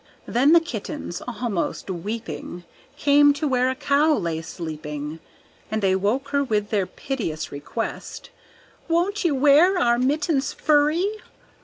Then the kittens, almost weeping, Came to where a Cow lay sleeping, And they woke her with this piteous request, "Won't you wear our mittens furry?"